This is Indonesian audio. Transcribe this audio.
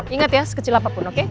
ingat ya sekecil apapun oke